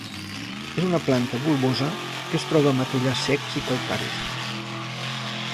És una planta bulbosa que es troba a matollars secs i calcaris.